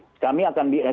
tidak tidak sama sekali